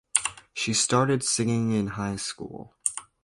She started singing in high school.